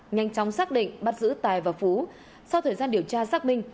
nhanh chóng xác định bắt giữ tài và phú sau thời gian điều tra xác minh